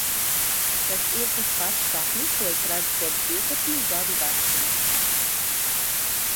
Tas ir tas pats sapnis, ko es redzu kopš divpadsmit gadu vecuma.